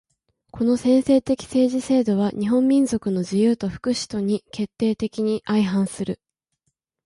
この専制的政治制度は日本民族の自由と福祉とに決定的に相反する。